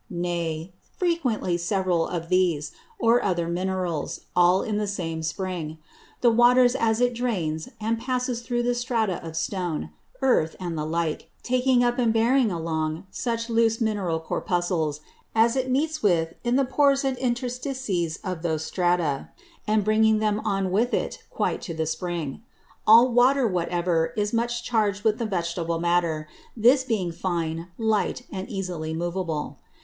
nay, frequently several of these, or other Minerals, all in the same Spring; the Water as it drains and passes thorough the Strata of Stone, Earth, and the like, taking up and bearing along such loose Mineral Corpuscles, as it meets with in the Pores and Interstices of those Strata, and bringing them on with it quite to the Spring. All Water whatever is much charg'd with the Vegetable Matter, this being fine, light, and easily moveable.